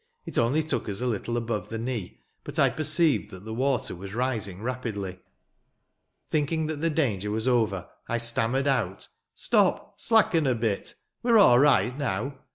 It only took us a little above the knee; but, I perceived that the water was rising rapidly. Thinking that the danger was over, I stammered out, " Stop! Slacken a bitl We're all right now